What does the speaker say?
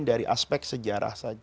dari aspek sejarah saja